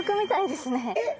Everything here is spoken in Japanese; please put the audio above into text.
えっ？